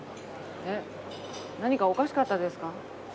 え何かおかしかったですか？